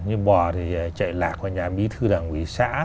như bò thì chạy lạc vào nhà bí thư đảng ủy xã